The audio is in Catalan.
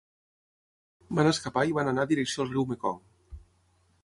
Van escapar i van anar direcció al riu Mekong.